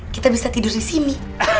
kita bisa tidur di sini